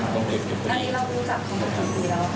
อย่างงี้เรารู้จักเขาเมื่อสักปีแล้ว